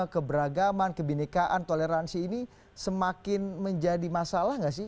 keberagaman kebenekaan toleransi ini semakin menjadi masalah nggak sih